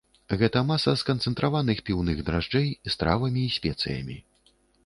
Гэта маса з канцэнтраваных піўных дражджэй з травамі і спецыямі.